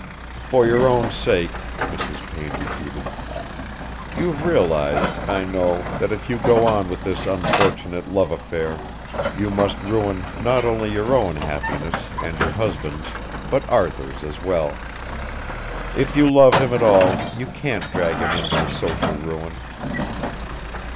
"For your own sake," Mrs. Payne repeated. "You've realised, I know, that if you go on with this unfortunate love affair you must ruin not only your own happiness and your husband's, but Arthur's as well. If you love him at all you can't drag him into social ruin.